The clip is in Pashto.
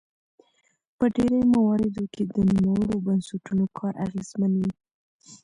په ډیری مواردو کې د نوموړو بنسټونو کار اغیزمن وي.